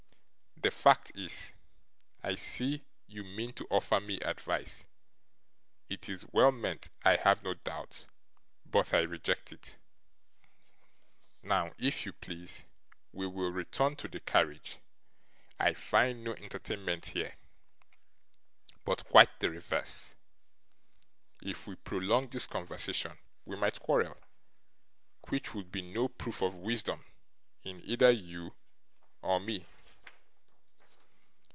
The fact is, I see, you mean to offer me advice. It is well meant, I have no doubt, but I reject it. Now, if you please, we will return to the carriage. I find no entertainment here, but quite the reverse. If we prolong this conversation, we might quarrel, which would be no proof of wisdom in either you or me.